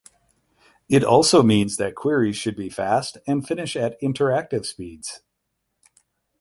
It also means that queries should be fast and finish at interactive speeds.